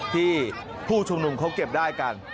ที่ผู้ชมรมเข้าเก็บได้กัน